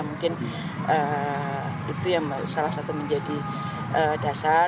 mungkin itu yang salah satu menjadi dasar